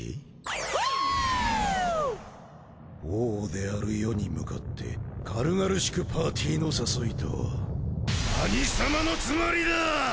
フォ！！王である余に向かって軽々しくパーティの誘いとは何様のつもりだあ！